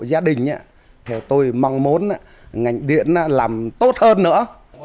gia đình theo tôi mong muốn ngành điện làm tốt hơn nữa